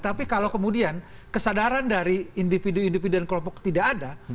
tapi kalau kemudian kesadaran dari individu individu dan kelompok tidak ada